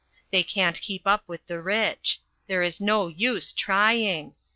They can't keep up with the rich. There is no use trying.